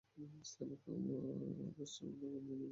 সে আমাকে আমস্টারডাম নিয়ে যেতে চায়।